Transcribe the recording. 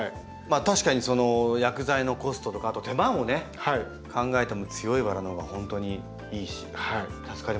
確かに薬剤のコストとかあと手間を考えても強いバラのほうが本当にいいし助かりますよね。